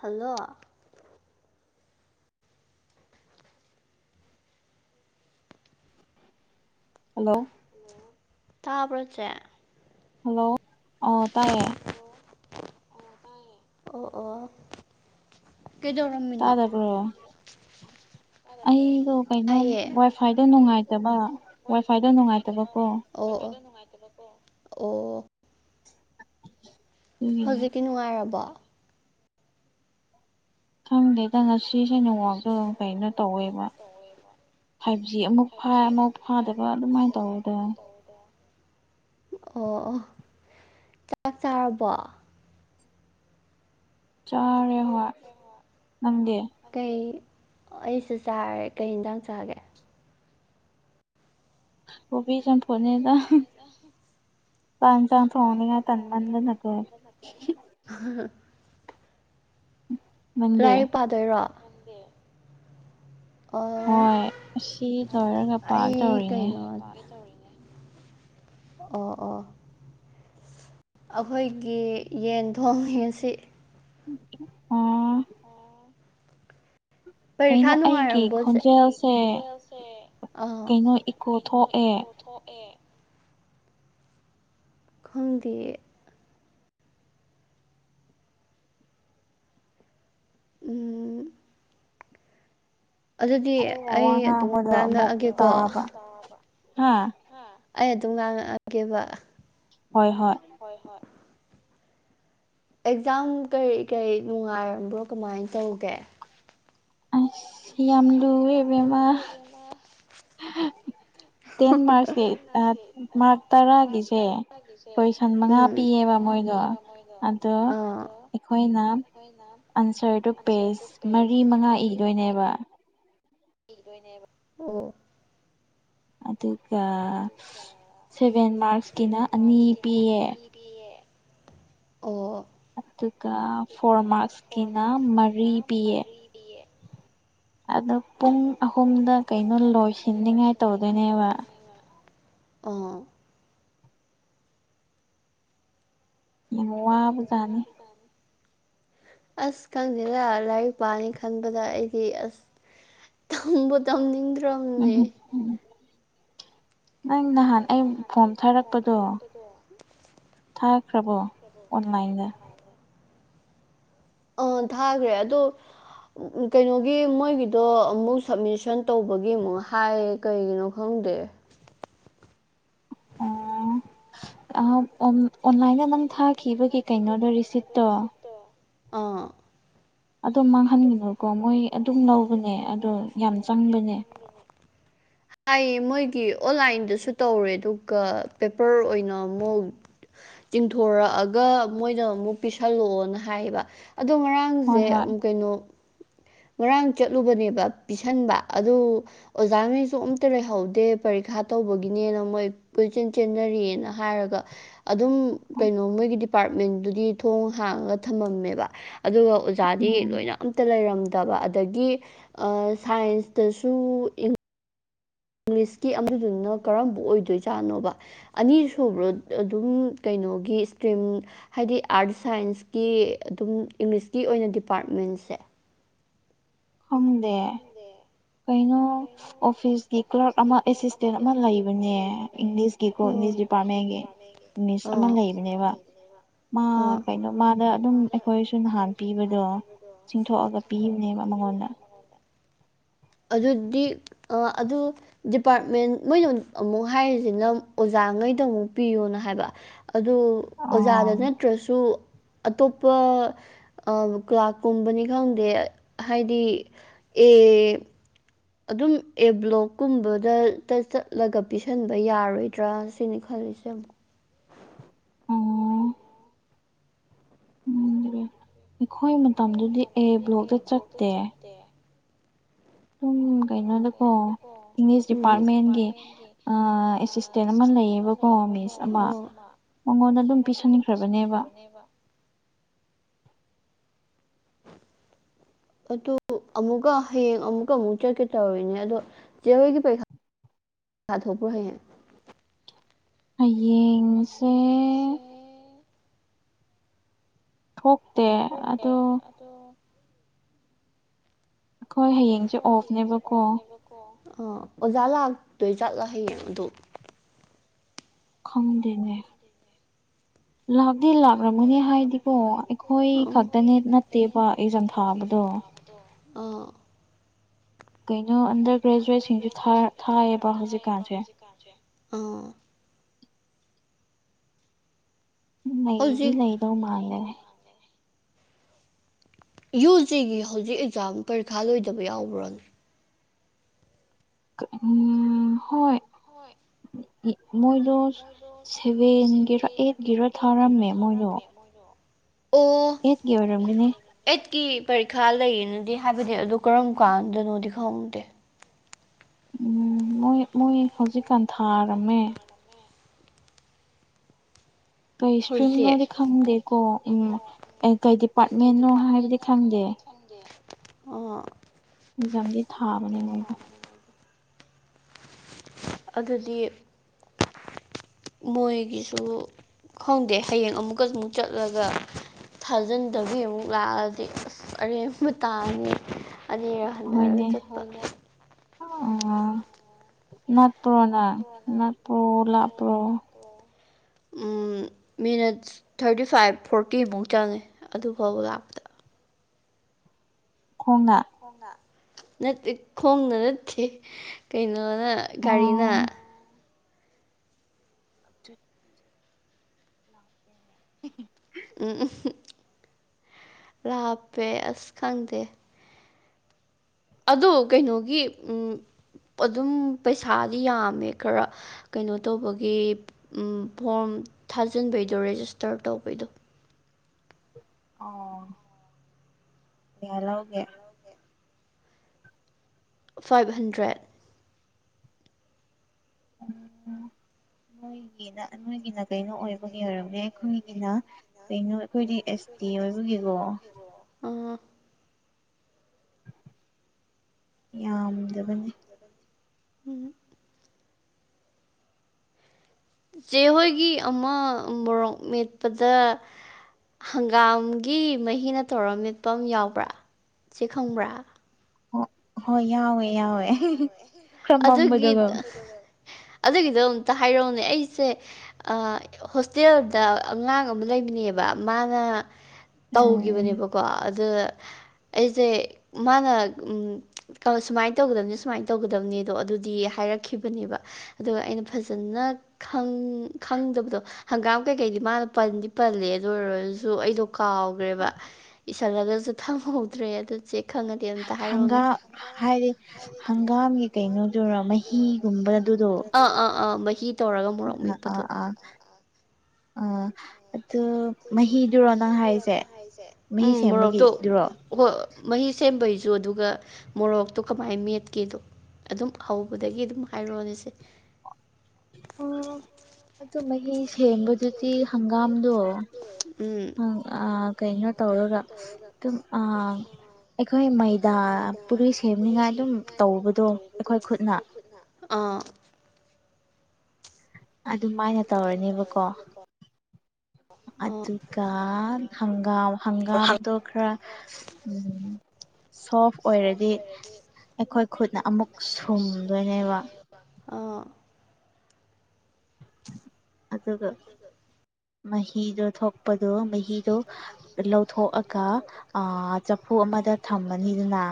hello hello ꯇꯥꯕ꯭ꯔꯣ ꯆꯦ hello ꯑ ꯇꯥꯏꯌꯦ ꯑꯣ ꯑꯣ ꯀꯩꯗꯧ ꯇꯥꯗꯕ꯭ꯔꯣ ꯑꯩꯗꯣ ꯀꯩꯅꯣꯝ ꯋꯥꯏꯐꯥꯏꯗꯣ ꯅꯨꯡꯉꯥꯏꯇꯕ ꯋꯥꯏꯐꯥꯏꯗꯣ ꯅꯨꯡꯉꯥꯏꯇꯕꯀꯣ ꯑꯣ ꯑꯣ ꯑꯣ ꯍꯧꯖꯤꯛꯀꯤ ꯅꯨꯡꯉꯥꯏꯔꯕꯣ ꯈꯪꯗꯦꯗ ꯉꯁꯤꯖꯦ ꯅꯦꯠꯋꯥꯛꯇꯣ ꯀꯩꯅꯣ ꯇꯧꯋꯦꯕ ꯐꯥꯏꯚ ꯖꯤ ꯑꯃꯨꯛ ꯐꯥꯏ ꯑꯃꯨꯛ ꯐꯥꯗꯕ ꯑꯗꯨꯃꯥꯏ ꯇꯧꯕꯗꯣ ꯑꯣ ꯑꯣ ꯆꯥꯛ ꯆꯥꯔꯕꯣ ꯆꯥꯔꯦ ꯍꯣꯏ ꯅꯪꯗꯤ ꯀꯩ ꯑꯩꯁꯨ ꯆꯥꯔꯦ ꯀꯩ ꯍꯤꯟꯗꯥꯡ ꯆꯥꯒꯦ ꯀꯣꯕꯤ ꯆꯝꯐꯨꯠꯅꯦꯗꯥ ꯆꯥꯛ ꯏꯟꯖꯥꯡ ꯊꯣꯡꯅꯤꯡꯉꯥꯏ ꯇꯟꯃꯟꯗꯅꯀꯣ [unintelligible] ꯂꯥꯏꯔꯤꯛ ꯄꯥꯗꯣꯏꯔꯣ ꯈꯪꯗꯦ ꯑꯣ ꯑꯩ ꯀꯩꯅꯣ ꯑꯣ ꯑꯣ ꯑꯈꯣꯏꯒꯤ ꯌꯦꯟ ꯊꯣꯡꯉꯦ ꯉꯁꯤ ꯑꯣ ꯄꯔꯤꯈꯥ ꯅꯨꯡꯉꯥꯏꯔꯝꯕꯣ ꯆꯦ ꯑꯗꯣ ꯑꯩꯒꯤ ꯈꯣꯟꯖꯦꯜꯁꯦ ꯑ ꯀꯩꯅꯣ ꯏꯀꯣ ꯊꯣꯛꯑꯦ ꯈꯪꯗꯤꯌꯦ ꯎꯝ ꯑꯗꯨꯗꯤ ꯑꯩ ꯑꯗꯨꯝ ꯉꯥꯡꯉꯛꯑꯒꯦꯀꯣ ꯍꯨꯝ ꯑꯩ ꯑꯗꯨꯝ ꯉꯥꯡꯉꯛꯑꯒꯦꯕ ꯍꯣꯏ ꯍꯣꯏ ꯍꯣꯏ ꯍꯣꯏ ꯑꯦꯛꯖꯥꯝ ꯀꯔꯤ ꯀꯔꯤ ꯅꯨꯡꯉꯥꯏꯔꯝꯕ꯭ꯔꯣ ꯀꯃꯥꯏ ꯇꯧꯒꯦ ꯏꯁ ꯌꯥꯝ ꯂꯨꯏꯑꯦ ꯏꯕꯦꯝꯃꯥ [unintelligible] ꯇꯦꯟ ꯃꯥ꯭ꯔꯛꯁꯀꯤ ꯑ ꯃꯥ꯭ꯔꯛ ꯇꯔꯥꯒꯤꯁꯦ ꯀꯣꯏꯁꯟ ꯃꯉꯥ ꯄꯤꯌꯦꯕ ꯃꯣꯏꯗꯣ ꯑꯗꯣ ꯑꯩꯈꯣꯏꯅ ꯑꯟꯁ꯭ꯔꯗꯣ ꯄꯦꯖ ꯃꯔꯤ ꯃꯉꯥ ꯏꯗꯣꯏꯅꯦꯕ ꯏꯗꯣꯏꯅꯦꯕ ꯑꯣ ꯑꯗꯨꯒꯥ ꯁꯦꯚꯦꯟ ꯃꯥ꯭ꯔꯛꯁꯀꯤꯅ ꯑꯅꯤ ꯄꯤꯌꯦ ꯄꯤꯌꯦ ꯑꯣ ꯑꯗꯨꯒ ꯐꯣꯔ ꯃꯥ꯭ꯔꯛꯁꯀꯤꯅ ꯃꯔꯤ ꯄꯤꯌꯦ ꯑꯗꯣ ꯄꯨꯡ ꯑꯍꯨꯝꯗ ꯀꯩꯅꯣ ꯂꯣꯏꯁꯤꯟꯅꯤꯡꯉꯥꯏ ꯇꯧꯗꯣꯏꯅꯦꯕ ꯑꯣ ꯌꯥꯝ ꯋꯥꯕꯖꯥꯠꯅꯤ ꯎꯝ ꯑꯁ ꯈꯪꯗꯦꯗ ꯂꯥꯏꯔꯤꯛ ꯄꯥꯅꯤ ꯈꯟꯕꯗ ꯑꯩꯗꯤ ꯑꯁ ꯇꯝꯕꯨ ꯇꯝꯅꯤꯡꯗ꯭ꯔꯝꯅꯤ ꯅꯪ ꯅꯍꯥꯟ ꯑꯩ ꯐꯣꯝ ꯊꯥꯔꯛꯄꯗꯣ ꯊꯥꯈ꯭ꯔꯕꯣ ꯑꯣꯟꯂꯥꯏꯟꯗ ꯑ ꯊꯥꯈ꯭ꯔꯦ ꯑꯗꯣ ꯀꯩꯅꯣꯒꯤ ꯃꯣꯏꯒꯤꯗꯣ ꯑꯃꯨꯛ ꯁꯞꯃꯤꯁꯟ ꯇꯧꯕꯒꯤ ꯑꯃꯨꯛ ꯍꯥꯏ ꯀꯩꯒꯤꯅꯣ ꯈꯪꯗꯦ ꯑꯣ ꯑ ꯑꯣ ꯑꯣꯟꯂꯥꯏꯟꯗ ꯅꯪ ꯊꯥꯈꯤꯕꯒꯤ ꯀꯩꯅꯣꯗꯣ ꯔꯤꯁꯤꯞꯇꯣ ꯑꯥ ꯑꯗꯨꯝ ꯃꯥꯡꯍꯟꯒꯅꯨꯀꯣ ꯃꯣꯏ ꯑꯗꯨꯝ ꯂꯧꯕꯅꯦ ꯑꯗꯣ ꯌꯥꯝ ꯆꯪꯕꯅꯦ ꯑꯩ ꯃꯣꯏꯒꯤ ꯑꯣꯟꯂꯥꯏꯟꯗꯁꯨ ꯇꯧꯔꯦ ꯑꯗꯨꯒ ꯄꯦꯄꯔ ꯑꯣꯏꯅ ꯑꯃꯨꯛ ꯆꯤꯡꯊꯣꯔꯛꯑꯒ ꯃꯣꯏꯗ ꯑꯃꯨꯛ ꯄꯤꯁꯜꯂꯛꯑꯣꯅ ꯍꯥꯏꯌꯦꯕ ꯑꯗꯣ ꯉꯥꯡ ꯑꯉꯥꯡꯁꯦ ꯀꯩꯅꯣ ꯉꯔꯥꯡ ꯆꯠꯂꯨꯕꯅꯦꯕ ꯄꯤꯁꯟꯕ ꯑꯗꯨ ꯑꯣꯖꯥꯉꯩꯁꯨ ꯑꯝꯇ ꯂꯩꯍꯧꯗꯦ ꯄꯔꯤꯈꯥ ꯇꯧꯕꯒꯤꯅꯦꯅ ꯃꯣꯏ ꯄꯨꯟꯆꯦꯟ ꯆꯦꯟꯅꯔꯤꯦꯅ ꯍꯥꯏꯔꯒ ꯑꯗꯨꯝ ꯀꯩꯅꯣ ꯃꯣꯏꯒꯤ ꯗꯤꯄꯥꯔꯠꯃꯦꯟꯗꯨꯗꯤ ꯊꯣꯡ ꯍꯥꯡꯉꯒ ꯊꯝꯃꯝꯃꯦꯕ ꯑꯗꯨꯒ ꯑꯣꯖꯥꯗꯤ ꯂꯣꯏꯅ ꯑꯝꯇ ꯂꯩꯔꯝꯗꯕ ꯑꯗꯒꯤ ꯁꯥꯏꯟꯁꯇꯁꯨ ꯏꯪꯂꯤꯁꯀꯤꯗꯨꯅ ꯀꯔꯝꯕ ꯑꯣꯏꯗꯣꯏꯖꯥꯠꯅꯣꯕ ꯑꯅꯤꯁꯨꯕ꯭ꯔꯣ ꯑꯗꯨꯝ ꯀꯩꯅꯣꯒꯤ ꯏꯁꯇ꯭ꯔꯤꯝ ꯍꯥꯏꯗꯤ ꯑꯥꯔꯠ ꯁꯥꯏꯟꯁꯀꯤ ꯑꯗꯨꯝ ꯏꯪꯂꯤꯁꯀꯤ ꯑꯣꯏꯅ ꯗꯤꯄꯥꯔꯠꯃꯦꯟꯁꯦ ꯈꯪꯗꯦ ꯀꯩꯅꯩꯅꯣ ꯑꯣꯐꯤꯁ ꯀ꯭ꯂꯔꯛ ꯑꯃ ꯑꯦꯁꯤꯁꯇꯦꯟ ꯑꯃ ꯂꯩꯕꯅꯦ ꯏꯪꯂꯤꯁꯀꯤꯀꯣ ꯏꯪꯂꯤꯁ ꯗꯤꯄꯥꯔꯠꯃꯦꯟꯒꯤ ꯃꯤꯁ ꯑꯃ ꯂꯩꯕꯅꯦꯕ ꯃꯥ ꯀꯩꯅꯣ ꯃꯥꯗ ꯑꯗꯨꯝ ꯑꯩꯈꯣꯏꯁꯨ ꯅꯍꯥꯟ ꯄꯤꯕꯗꯣ ꯆꯤꯡꯊꯣꯛꯑꯒ ꯄꯤꯕꯅꯦꯕ ꯃꯉꯣꯟꯗ [inaudible] ꯑꯗꯨꯗꯤ ꯑꯗꯨ ꯗꯤꯄꯥꯔꯠꯃꯦꯟ ꯃꯣꯏꯅ ꯑꯃꯨꯛ ꯍꯥꯏꯔꯤꯁꯤꯅ ꯑꯣꯖꯥꯉꯩꯗ ꯑꯃꯨꯛ ꯄꯤꯌꯣꯅ ꯍꯥꯏꯕ ꯑꯗꯨ ꯑꯣꯖꯥꯗ ꯅꯠꯇ꯭ꯔꯁꯨ ꯑꯇꯣꯞꯄ ꯀ꯭ꯂꯥꯛꯀꯨꯝꯕꯅꯤ ꯈꯪꯗꯦ ꯍꯥꯏꯗꯤ ꯑꯦ ꯑꯗꯨꯝ ꯑꯦꯕ꯭ꯂꯣꯛꯀꯨꯝꯕꯗ ꯆꯠꯂꯒ ꯄꯤꯁꯟꯕ ꯌꯥꯔꯣꯏꯗ꯭ꯔꯥ ꯁꯤꯅꯤ ꯈꯜꯂꯤꯁꯦ ꯑꯃꯨꯛ ꯎꯝ ꯑꯩꯈꯣꯏ ꯃꯇꯝꯗꯨꯗꯤ ꯑꯦ ꯕ꯭ꯂꯣꯛꯇ ꯆꯠꯇꯦ ꯨꯝ ꯀꯩꯅꯣꯗꯀꯣ ꯗꯤꯄꯥꯔꯠꯃꯦꯟꯒꯤ ꯑꯦꯁꯤꯁꯇꯦꯟ ꯑꯃ ꯩꯕ ꯃꯪꯉꯣꯟꯗ ꯑꯗꯨꯝ ꯄꯤꯁꯟꯈ꯭ꯔꯕꯅꯦꯕ ꯑꯗꯨ ꯑꯃꯨꯛꯀ ꯍꯌꯦꯡ ꯑꯃꯨꯛꯀ ꯑꯃꯨꯛ ꯆꯠꯀꯦ ꯇꯧꯔꯤꯅꯦ ꯑꯗꯣ ꯖꯦꯔꯣꯏꯒꯤ ꯄꯩꯈꯥ ꯊꯥꯗꯕ꯭ꯔ ꯍꯍꯦ ꯍꯌꯦꯡꯁꯦ ꯍꯇꯦ ꯑꯗꯨ ꯇꯣ ꯑꯩꯈꯣꯏ ꯍꯌꯦꯡꯁꯦ ꯑꯣꯐꯅꯦꯕꯀꯣ ꯑ ꯑꯣꯖꯥ ꯂꯥꯛꯇꯣꯏ ꯆꯠꯂ ꯍꯌꯦꯡꯣ ꯑꯗꯣ ꯈꯪꯝꯗꯒꯦ ꯂꯥꯛꯇꯦ ꯂꯥꯛꯂꯝꯝꯃꯨꯅꯦ ꯍꯥꯏꯗꯤꯕꯣ ꯑꯩꯈꯣꯏ ꯈꯛꯇꯅꯦ ꯅꯠꯇꯦꯕ ꯑꯦꯖꯝ ꯊꯥꯕꯗꯣ ꯑꯥ ꯀꯩꯅꯣ ꯑꯟꯗꯔ ꯒ꯭ꯔꯦꯖꯨꯋꯦꯠ ꯁꯤꯡꯁꯨ ꯊꯥꯏꯌꯦꯕ ꯍꯧꯖꯤꯛꯀꯥꯟꯁꯦ ꯑꯣ ꯂꯩꯗꯤ ꯂꯩꯗꯧ ꯃꯥꯥꯡꯒꯦ ꯌꯨ ꯖꯤꯒꯤ ꯍꯧꯖꯤꯛ ꯑꯦꯛꯖꯥꯝ ꯄꯔꯤꯈꯥ ꯂꯣꯏꯗꯕ ꯌꯥꯎꯕ꯭ꯔꯣꯅꯦ ꯎꯝ ꯍꯣꯏ ꯃꯣꯏꯗꯣ ꯁꯚꯦꯟꯒꯤꯔ ꯑꯩꯠꯀꯤꯔ ꯊꯥꯔꯝꯃꯦ ꯃꯣꯏꯗꯣ ꯑꯣ ꯑꯩꯠꯀꯤ ꯄꯔꯤꯈꯥ ꯂꯩꯌꯦꯅꯗꯤ ꯍꯥꯏꯕꯗꯤ ꯑꯗꯨ ꯀꯔꯝ ꯀꯥꯟꯗꯅꯣꯗꯤ ꯈꯪꯗꯦ ꯎꯝ ꯃꯣꯏ ꯃꯣꯏ ꯍꯧꯖꯤꯛꯀꯥꯟ ꯊꯥꯔꯝꯃꯦ ꯀꯩ ꯏꯁꯇ꯭ꯔꯤꯝꯅꯣꯗꯤ ꯈꯪꯗꯦꯀꯣ ꯎꯝ ꯀꯩ ꯗꯤꯄꯥꯔꯠꯃꯟꯅꯣ ꯍꯥꯏꯕꯗꯤ ꯈꯪꯗꯦ ꯑꯣꯥ ꯑꯦꯛꯖꯥꯝꯗꯤ ꯊꯥꯕꯅꯦ ꯃꯣꯏꯒꯤ ꯑꯗꯨꯗꯤ ꯃꯣꯏꯒꯤꯁꯨ ꯈꯪꯗꯦ ꯍꯌꯦꯡ ꯑꯃꯨꯛꯀꯁꯨ ꯑꯃꯨꯛ ꯆꯠꯂꯒ ꯊꯥꯖꯤꯟꯗꯕꯤꯒꯤ ꯑꯃꯨꯛ ꯂꯥꯛꯑꯗꯤ ꯑꯁ ꯑꯔꯦꯝꯕꯨ ꯇꯥꯉ ꯑꯅꯤꯔ ꯍꯅꯦ ꯑ ꯅꯅꯥꯠꯄ꯭ꯔꯣꯅ ꯅꯅꯥꯠꯄ꯭ꯔꯣ ꯂꯥꯄ꯭ꯔꯣ ꯑꯣ ꯃꯤꯅꯠ ꯊꯥꯔꯇꯤ ꯐꯥꯏꯚ ꯐꯣꯔꯇꯤꯃꯨꯛ ꯆꯪꯉꯦ ꯑꯗꯨꯐꯥꯎꯕ ꯂꯥꯛꯄꯗ ꯈꯣꯡꯉ ꯈꯣꯡꯅ ꯅꯠꯇꯦ ꯀꯩꯅꯣꯅ ꯒꯥꯔꯤꯅ ꯂꯥꯛꯄꯦꯅꯦ ꯊ ꯎꯝ ꯂꯥꯞꯄꯦ ꯑꯁ ꯈꯪꯗꯦ ꯑꯗꯣ ꯀꯩꯅꯣꯒꯤ ꯑꯗꯨꯝ ꯄꯩꯁꯥꯗꯤ ꯌꯥꯝꯃꯦ ꯈꯔ ꯀꯩꯅꯣ ꯇꯧꯕꯒꯤ ꯐꯣꯝ ꯊꯥꯖꯤꯟꯕꯩꯗꯣ ꯔꯦꯖꯤꯁꯇꯔ ꯇꯧꯕꯩꯗꯣ ꯑꯣ ꯌꯥ ꯂꯧꯎꯒꯦ ꯐꯥꯏꯚ ꯍꯟꯗ꯭ꯔꯦꯠ [inaudible] ꯅꯣꯏꯒꯤꯅ ꯅꯣꯏꯒꯤꯅ ꯀꯩꯅꯣ ꯑꯣꯏꯕꯒꯤ ꯑꯣꯏꯔꯝꯅꯦ ꯑꯩꯈꯣꯏꯒꯤꯅ ꯀꯩꯅꯣ ꯑꯩꯈꯣꯏꯗꯤ ꯑꯦꯁ ꯇꯤ ꯑꯣꯏꯕꯒꯤꯀꯣ ꯎꯥ ꯌꯥꯝꯗꯕꯅꯦ ꯎꯝ ꯆꯍꯣꯏꯒꯤ ꯑꯃ ꯃꯣꯔꯣꯛ ꯃꯦꯠꯄꯗ ꯍꯪꯒꯥꯝꯒꯤ ꯃꯍꯤꯅ ꯇꯧꯔ ꯃꯦꯠꯐꯝ ꯌꯥꯎꯕ꯭ꯔꯥ ꯁꯤ ꯈꯪꯕ꯭ꯔꯥ ꯍ ꯍꯣꯏ ꯌꯥꯎꯋꯦ ꯌꯥꯎꯋꯦ ꯈꯔꯃꯝꯕꯗꯨꯒ ꯑꯗꯨꯒꯤꯗꯣ ꯑꯝꯇ ꯍꯥꯏꯔꯛꯎꯅꯦ ꯑꯩꯁꯦ ꯍꯣꯁꯇꯦꯜꯗ ꯑꯉꯥꯡ ꯑꯃ ꯂꯩꯕꯅꯦꯕ ꯃꯥꯅ ꯇꯧꯈꯤꯕꯅꯦꯕꯀꯣ ꯑꯗꯨ ꯑꯩꯁꯦ ꯃꯥꯅ ꯁꯨꯃꯥꯏꯅ ꯇꯧꯒꯗꯕꯅꯤ ꯁꯨꯃꯥꯏꯅ ꯇꯧꯒꯗꯕꯅꯤ ꯑꯗꯣ ꯑꯗꯨꯗꯤ ꯍꯥꯏꯔꯛꯈꯤꯕꯅꯦꯕ ꯑꯗꯨꯒ ꯑꯩꯅ ꯐꯖꯅ ꯈꯪꯗꯕꯗꯣ ꯍꯪꯒꯥꯝ ꯀꯩꯀꯩꯗꯤ ꯃꯥꯅ ꯄꯟꯗꯤ ꯄꯜꯂꯦ ꯑꯗꯨ ꯑꯣꯏꯔꯁꯨ ꯑꯩꯗꯣ ꯀꯥꯎꯈ꯭ꯔꯦꯕ ꯏꯁꯛꯂꯒꯁꯨ ꯊꯝꯍꯧꯗ꯭ꯔꯦ ꯑꯗꯨ ꯆꯦ ꯈꯪꯉꯗꯤ ꯑꯃꯝꯇ ꯍꯥꯏꯔꯛꯑꯣꯅꯦ ꯍꯥꯏꯗꯤ ꯍꯪꯒꯥꯝꯒꯤ ꯀꯩꯅꯣꯗꯨꯔ ꯃꯍꯤꯒꯨꯝꯕꯗꯨꯗꯣ ꯑꯥ ꯑꯥ ꯑꯥ ꯃꯍꯍꯤ ꯑ ꯑꯥ ꯑꯥ ꯑ ꯑ ꯃ ꯃꯍꯤꯗꯨ ꯍꯥꯏꯁꯦ ꯎꯝ ꯃꯣꯔꯣꯛꯇꯣ ꯑꯣꯣꯏ ꯃꯍꯤ ꯁꯦꯝꯕꯩꯁꯨ ꯑꯗꯨꯒ ꯃꯣꯔꯣꯛꯇꯣ ꯀꯃꯥꯏꯅ ꯃꯦꯠꯀꯦꯗꯣ ꯑꯗꯨꯝ ꯍꯧꯕꯗꯒꯤ ꯑꯗꯨꯝ ꯍꯥꯏꯔꯛꯑꯣꯅꯦꯁꯦ ꯎ ꯃꯍꯤꯦꯁ ꯊꯦꯡꯕꯗꯨꯗꯤ ꯍꯪꯒꯥꯝꯗꯣ ꯀꯩꯅꯣ ꯇꯧꯔꯒ ꯑꯗꯨꯝ ꯑꯩꯈꯣꯏ ꯃꯩꯗꯥ ꯄꯨꯔꯤ ꯁꯦꯝꯅꯤꯉꯥꯏ ꯑꯗꯨꯝ ꯇꯧꯕꯗꯣ ꯑꯩꯈꯣꯏ ꯈꯨꯠꯅ ꯑꯥ ꯑꯗꯨꯃꯥꯏꯅ ꯇꯧꯔꯅꯦꯕꯀꯣ ꯑꯗꯨꯒ ꯍꯪꯒꯥꯝ ꯍꯪꯒꯥꯝꯗꯣ ꯈꯔ ꯁꯦꯐ ꯑꯣꯏꯔꯗꯤ ꯑꯩꯈꯣꯏ ꯈꯨꯠꯅ ꯑꯃꯨꯛ ꯁꯨꯝꯗꯣꯏꯅꯦꯕ ꯑꯥ ꯑꯗꯨꯒ ꯃꯍꯤꯗꯣ ꯊꯣꯛꯄꯗꯣ ꯃꯍꯤꯗꯣ ꯂꯧꯊꯣꯛꯑꯒ ꯆꯐꯨ ꯑꯃꯗ ꯊꯝꯃꯅꯤꯗꯨꯅ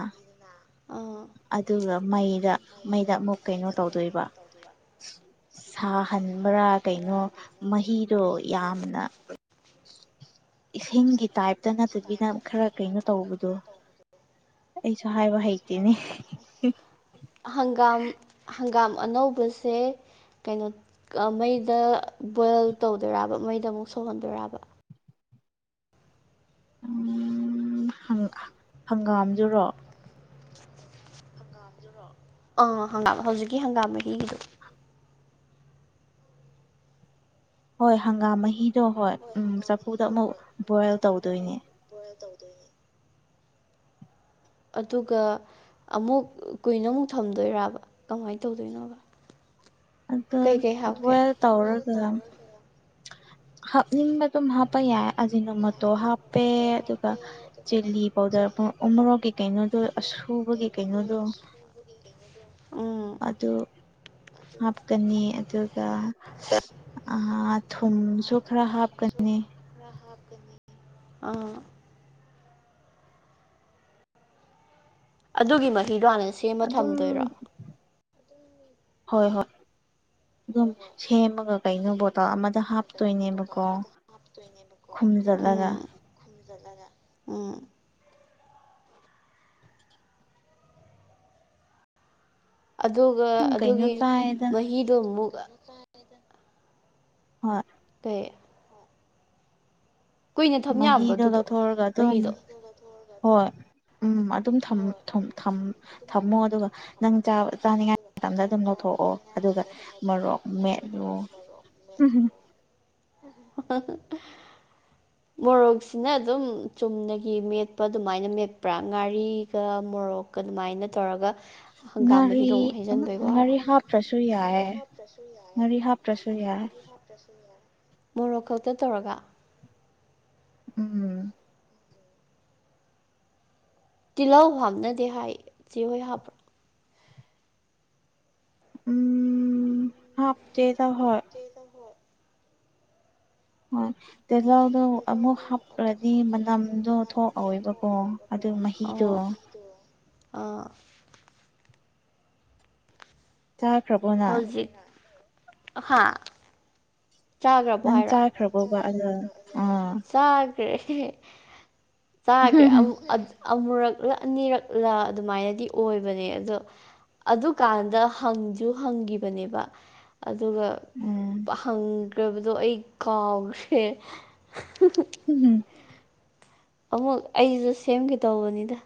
ꯑꯥ ꯑꯗꯨꯒ ꯃꯩꯗ ꯃꯩꯗ ꯑꯃꯨꯛ ꯀꯩꯅꯣ ꯇꯧꯗꯣꯏꯕ ꯁꯥꯍꯟꯕ꯭ꯔꯥ ꯀꯩꯅꯣ ꯃꯍꯤꯗꯣ ꯌꯥꯝꯅ ꯏꯁꯤꯡꯒꯤ ꯇꯥꯏꯞꯇ ꯅꯠꯇꯕꯤꯅ ꯈꯔ ꯀꯩꯅꯣ ꯇꯧꯕꯗꯣ ꯑꯩꯁꯨ ꯍꯥꯏꯕ ꯍꯩꯇꯤꯅꯤ ꯍꯪꯒꯥꯝ ꯍꯪꯒꯥꯝ ꯑꯅꯧꯕꯁꯦ ꯀꯩꯅꯣ ꯃꯩꯗ ꯕꯣꯏꯜ ꯇꯧꯗꯣꯏꯔꯕ ꯃꯩꯗ ꯑꯃꯨꯛ ꯁꯧꯍꯟꯗꯣꯏꯕ ꯍꯪꯒꯥꯝꯖꯔꯣ ꯍꯪꯒꯥꯝꯗꯨꯔꯣ ꯑꯥ ꯍꯪꯒꯥꯝ ꯍꯧꯖꯤꯛꯀꯤ ꯍꯪꯒꯥꯝ ꯃꯍꯤꯒꯤꯗꯣ ꯍꯣꯏ ꯍꯪꯒꯥꯝ ꯃꯍꯤꯗꯣ ꯍꯣꯏ ꯎ ꯆꯐꯨꯗ ꯑꯃꯨꯛ ꯕꯣꯏꯜ ꯇꯧꯗꯣꯏꯅꯦ ꯄꯨꯦꯜ ꯇꯧꯗꯣꯏꯅꯦ ꯑꯗꯨꯒ ꯑꯃꯨꯛ ꯀꯨꯏꯅ ꯑꯃꯨꯛ ꯊꯝꯗꯣꯏꯔꯕ ꯀꯃꯥꯏꯅ ꯇꯧꯗꯣꯏꯅꯣꯕ ꯑꯗ ꯋ ꯇꯧꯔꯒ ꯍꯥꯞꯅꯤꯡꯕ ꯑꯗꯨꯝ ꯍꯥꯞꯄ ꯌꯥꯏ ꯑ ꯅꯨꯃꯠꯇꯣ ꯍꯥ ꯎꯄꯦ ꯑꯗꯨꯒ ꯆꯤꯂꯤ ꯄꯥꯎꯗꯔ ꯃꯣꯔꯣꯛꯀꯤ ꯀꯩꯅꯣꯗꯣ ꯑꯁꯨꯕꯒꯤ ꯀꯩꯅꯣꯗꯣ ꯑꯗꯨ ꯍꯥꯞꯀꯅꯤ ꯑꯗꯨꯒ ꯑ ꯊꯨꯝꯁꯨ ꯈꯔ ꯍꯥꯞꯀꯅꯤ ꯔꯍꯞꯗꯅꯤ ꯑꯥ ꯑꯗꯨꯒꯤ ꯃꯍꯤꯗꯣ ꯍꯥꯟꯅ ꯁꯤ ꯑꯗꯨꯝ ꯍꯣꯏ ꯍꯣꯏ ꯑꯗꯨꯝ ꯁꯦꯝꯃꯒ ꯀꯩꯅꯣ ꯕꯣꯇꯜ ꯑꯃꯗ ꯍꯥꯞꯇꯣꯏꯅꯦꯕꯀꯣ ꯇ ꯈꯨꯝꯖꯤꯜꯂꯒ ꯈꯨꯝꯖꯤꯜꯂꯒ ꯎꯝ ꯑꯗꯨꯒ ꯑꯗꯨꯒꯤ ꯃꯍꯤꯗꯣ ꯑꯃꯨꯛ ꯍꯣꯏ ꯀ ꯃꯍꯤꯗꯣ ꯂꯧꯊꯣꯛꯑꯒ ꯑꯗꯨꯝ ꯍꯣꯏ ꯎꯝ ꯑꯗꯨꯝ ꯊꯝꯃꯣ ꯑꯗꯨꯒ ꯅꯪ ꯆꯥꯅꯤꯡꯉꯥꯏ ꯃꯇꯝꯗ ꯑꯗꯨꯝ ꯂꯧꯊꯣꯛꯑꯣ ꯑꯗꯨꯒ ꯃꯔꯣꯔꯣꯛ ꯃꯦꯠꯂꯨ ꯍꯝꯝ ꯑ ꯃꯣꯔꯣꯛꯁꯤꯅ ꯑꯗꯨꯝ ꯆꯨꯝꯅꯒꯤ ꯃꯦꯠꯄ ꯑꯗꯨꯃꯥꯏꯅ ꯃꯦꯠꯄ꯭ꯔꯥ ꯉꯥꯔꯤꯒ ꯃꯣꯔꯣꯛ ꯑꯗꯨꯃꯥꯏꯅ ꯇꯧꯔꯒ ꯍꯪꯒꯥꯝꯝꯕ ꯍꯤꯗꯣꯡ ꯍꯩꯖꯟꯕꯣꯏ ꯋꯥꯔ ꯍꯥ ꯐ꯭ꯔꯁꯁꯨꯏꯌꯦ ꯃꯔꯤ ꯍꯥꯥ ꯔꯁꯏ ꯌꯥꯏ ꯃꯔꯤ ꯍꯥꯥ ꯄꯁꯏ ꯌꯥꯏ ꯃꯣꯔꯣꯛ ꯈꯛꯇ ꯇꯧꯔꯒ ꯎꯝ ꯇꯤꯜꯍꯧ ꯍꯥꯞꯅꯗꯦ ꯍꯥꯏ ꯁꯤꯍꯣꯏ ꯍꯥꯞꯄ꯭ꯔꯣ ꯎꯝ ꯍꯥꯐ ꯗꯦꯗ ꯍ ꯍ ꯇꯤꯍꯥꯎꯗꯣ ꯑꯃꯨꯛ ꯍꯥꯞꯈ꯭ꯔꯗꯤ ꯃꯅꯝꯗꯣ ꯊꯣꯛꯍꯧꯋꯦꯕꯀꯣ ꯑꯗꯨ ꯃꯍꯤꯗꯣ ꯑꯥ ꯆꯥꯈ꯭ꯔꯕꯣ ꯍꯧꯖꯤꯛ ꯍꯥ ꯅꯪ ꯆꯥꯈ꯭ꯔꯕꯣꯕ ꯑꯗ ꯑꯥ ꯆꯥꯒ꯭ꯔꯦ ꯆꯥꯒ꯭ꯔꯦ ꯑꯃꯨꯛ ꯑꯗꯨ ꯑꯃꯨꯔꯛꯂ ꯑꯅꯤꯔꯛꯂ ꯑꯗꯨꯃꯥꯏꯅꯗꯤ ꯑꯣꯏꯕꯅꯦ ꯑꯗꯣ ꯑꯗꯨꯀꯥꯟꯗ ꯍꯪꯖꯨ ꯍꯪꯒꯤꯕꯅꯦꯕ ꯑꯗꯨꯒ ꯍꯪꯒ꯭ꯔꯕꯗꯣ ꯑꯩ ꯀꯥꯎꯈ꯭ꯔꯦ ꯎꯝ ꯑꯃꯨꯛ ꯑꯩꯖꯨ ꯁꯦꯝꯒꯦ ꯇꯧꯕꯅꯤꯗ